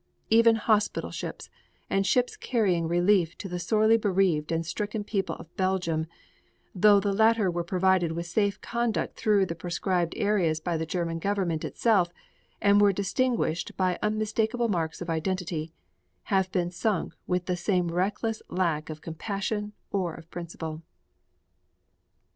Even hospital ships and ships carrying relief to the sorely bereaved and stricken people of Belgium, though the latter were provided with safe conduct through the proscribed areas by the German Government itself and were distinguished by unmistakable marks of identity, have been sunk with the same reckless lack of compassion or of principle.